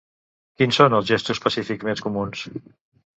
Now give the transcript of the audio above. Quins són els gestos pacífics més comuns?